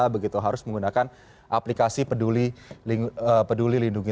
begitu harus menggunakan aplikasi peduli lindungi